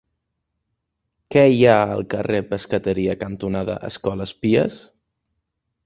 Què hi ha al carrer Pescateria cantonada Escoles Pies?